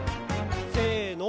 せの。